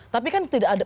tapi kan tidak ada